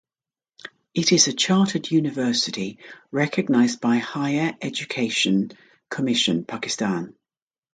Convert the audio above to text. It is a chartered university recognized by Higher Education Commission Pakistan.